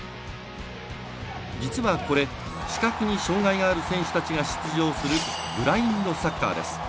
実はこれ、視覚に障がいがある選手たちが出場するブラインドサッカーです。